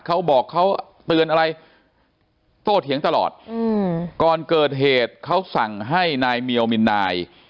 เขาบอกเขาเตือนอะไรโตเถียงตลอดอืมก่อนเกิดเหตุเขาสั่งให้นายเมียวมินนาย